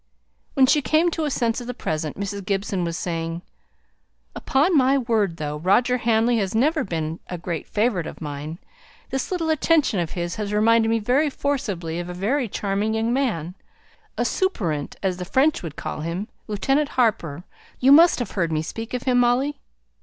When she came to a sense of the present, Mrs. Gibson was saying, "Upon my word, though Roger Hamley has never been a great favourite of mine, this little attention of his has reminded me very forcibly of a very charming young man a soupirant, as the French would call him Lieutenant Harper you must have heard me speak of him, Molly?"